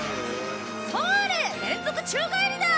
そーれ連続宙返りだ！